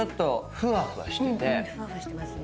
ふわふわしてますね。